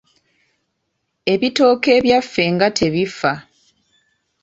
Ebitooke ebyaffe nga tebifa.